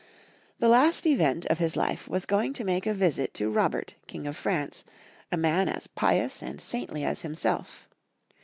The last event of his life was going to make a visit to Robert, King of France, a man as pious and saintly as himself.